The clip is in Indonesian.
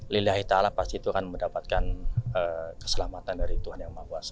lillahi ⁇ taala ⁇ pasti itu akan mendapatkan keselamatan dari tuhan yang maha kuasa